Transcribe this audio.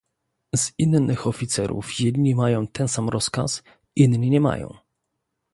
"Z innych oficerów jedni mają ten sam rozkaz, inni nie mają."